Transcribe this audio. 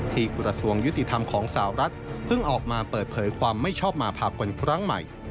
กระทรวงยุติธรรมของสาวรัฐเพิ่งออกมาเปิดเผยความไม่ชอบมาภากลครั้งใหม่